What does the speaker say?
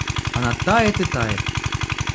Она тает и тает.